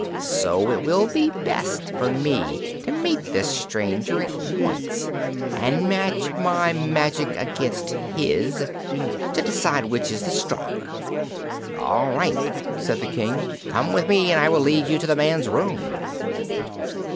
So it will be best for me to meet this stranger at once and match my magic against his, to decide which is the stronger." "All right," said the King. "Come with me and I will lead you to the man's room."